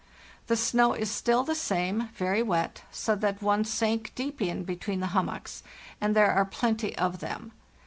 The snow is still the same, very wet, so that one sank deep in between the hummocks, and there are plenty of them.